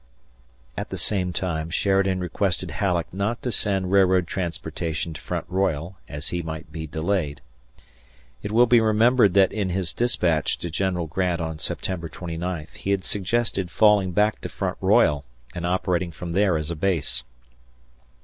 At the same time Sheridan requested Halleck not to send railroad transportation to Front Royal, as he might be delayed. It will be remembered that in his dispatch to General Grant on September 29, he had suggested falling back to Front Royal and operating from there as a base.